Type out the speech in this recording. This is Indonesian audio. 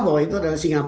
bahwa itu adalah singapura